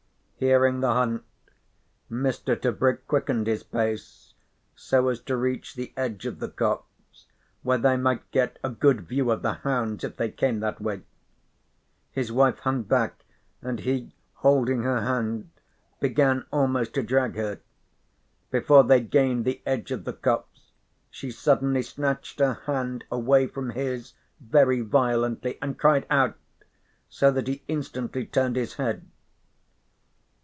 Hearing the hunt, Mr. Tebrick quickened his pace so as to reach the edge of the copse, where they might get a good view of the hounds if they came that way. His wife hung back, and he, holding her hand, began almost to drag her. Before they gained the edge of the copse she suddenly snatched her hand away from his very violently and cried out, so that he instantly turned his head.